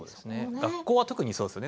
学校は特にそうですね。